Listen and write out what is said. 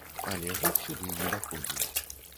Але гук сюды не даходзіў.